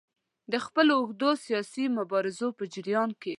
د خپلو اوږدو سیاسي مبارزو په جریان کې.